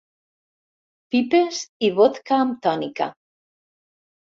Pipes i vodka amb tònica.